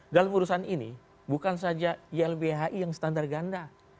dalam urusan ini bukan saja ylbhi yang standar ganda